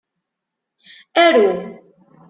Aru!